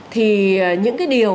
thì những cái điều